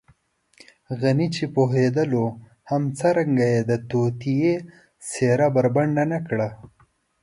غني چې پوهېدلو هم څرنګه يې د توطیې څېره بربنډه نه کړه.